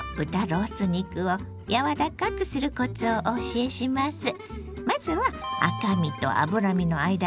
ロース肉を柔らかくするコツをお教えします。